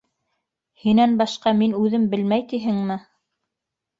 Һинән башҡа мин үҙем белмәй тиһеңме?